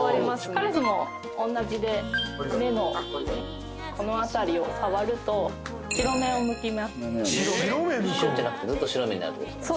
カラスも同じで目のこの辺りを触ると白目をむきますクッてなってずっと白目になるってことですか？